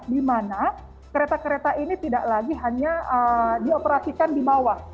dimana kereta kereta ini tidak lagi hanya eee dioperasikan di bawah